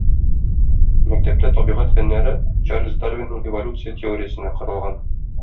Мәктәптә табигать фәннәре Чарльз Дарвинның эволюция теориясенә корылган.